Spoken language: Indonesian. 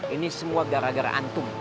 ini semua gara gara antum